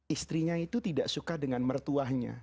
istrinya itu tidak suka dengan mertuanya